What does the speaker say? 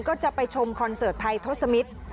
ก็จะไปชมคอนเสิร์ตไทยทศมิตร